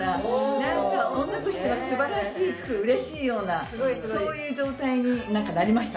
なんか女としては素晴らしく嬉しいようなそういう状態になんかなりましたね。